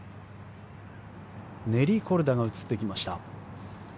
ネリー・コルダが映ってきました。